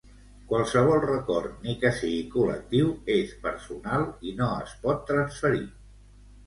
Qualsevol record, ni que sigui col·lectiu, és personal i no es pot transferir.